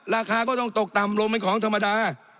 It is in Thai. ราคาก็ต้องตกต่ำลงเป็นของธรรมดา